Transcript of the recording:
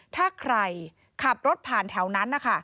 ถ้าใครขับรถผ่านแถวนั้นนะคะ